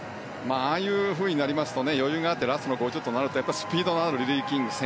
ああいうふうになりますと余裕があってラストの５０となるとスピードのあるリリー・キング。